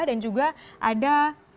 dan juga ada